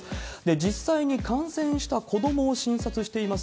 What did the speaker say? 実際に感染した子どもを診察しています